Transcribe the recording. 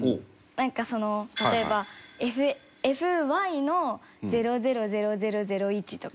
なんかその例えば「ＦＹ」の「０００００１」とか。